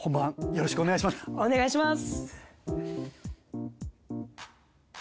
よろしくお願いします！